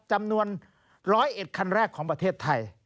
จำนวนร้อยเอ็ดคันแรกของประเทศไทย